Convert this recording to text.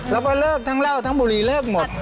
แล้วก็เลิกทั้งเหล้าทั้งบุรีเลิกหมด